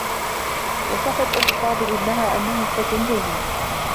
وصفت أمّ فاضل ابنها أنّه فتى جيّد.